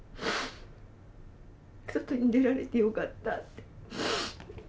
外に出られてよかったって。